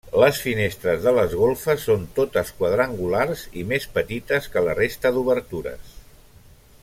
Les finestres de les golfes són totes quadrangulars i més petites que la resta d'obertures.